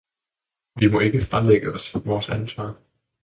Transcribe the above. Vi må ikke fralægge os vores ansvar.